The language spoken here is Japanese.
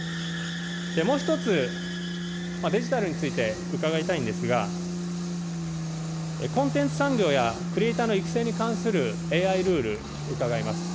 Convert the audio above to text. もう１つ、デジタルについて、伺いたいんですが、コンテンツ産業やクリエイターの育成に関するＡＩルール、伺います。